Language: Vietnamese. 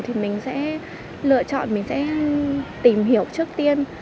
thì mình sẽ lựa chọn mình sẽ tìm hiểu trước tiên